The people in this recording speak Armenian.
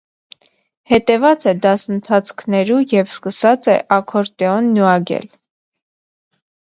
Հետեւած է դասընթացքներու եւ սկսած է աքորտէոն նուագել։